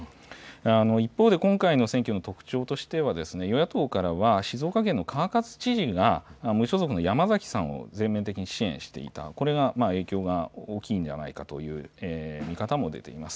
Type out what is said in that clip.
一方で今回の選挙の特徴としては野党からは静岡県の川勝知事が無所属の山崎さんを全面的に支援していたことの影響が大きいのではないかという見方も出ています。